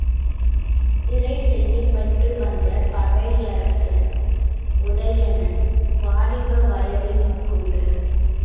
சிறை செய்யப்பட்டு வந்த பகையரசன் உதயணன், வாலிப வயதினனுங்கூட.